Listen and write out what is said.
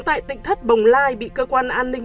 tại tỉnh thất bồng lai bị cơ quan an ninh